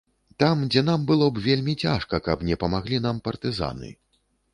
Там, дзе нам было б вельмі цяжка, каб не памаглі нам партызаны.